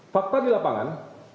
fakta di lapangan